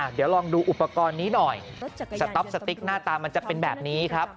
เดี๋ยวลองดูอุปกรณ์นี้หน่อยสต๊อปสติ๊กหน้าตามันจะเป็นแบบนี้ครับ